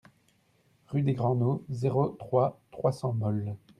Rue des Grands Nauds, zéro trois, trois cents Molles